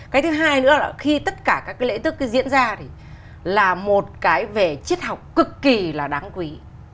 cái thứ hai nữa là khi tất cả các cái lễ tức diễn ra thì là một cái về triết học cực kỳ là đáng quý